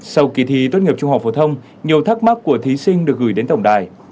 sau kỳ thi tốt nghiệp trung học phổ thông nhiều thắc mắc của thí sinh được gửi đến tổng đài